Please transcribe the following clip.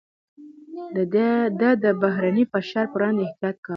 ده د بهرني فشار پر وړاندې احتياط کاوه.